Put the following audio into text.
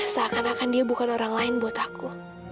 seakan akan dia bukan orang lain buat aku